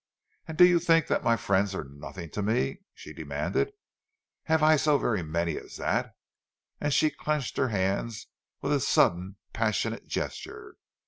"And do you think that my friends are nothing to me?" she demanded. "Have I so very many as that?" And she clenched her hands with a sudden passionate gesture.